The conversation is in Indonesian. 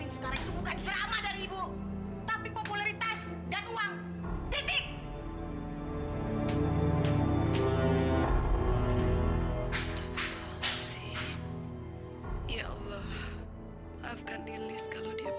sampai jumpa di video selanjutnya